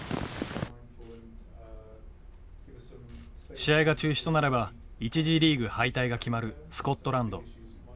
試合が中止となれば１次リーグ敗退が決まるスコットランド。